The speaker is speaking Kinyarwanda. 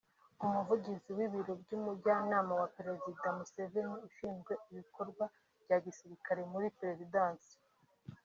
umuvugizi w’ibiro by’umujyanama wa Perezida Museveni ushinzwe ibikorwa bya gisirikare muri Perezidansi